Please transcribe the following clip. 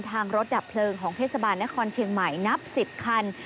รถดับเพลิงของเทศบาลนครเชียงใหม่นับ๑๐คัน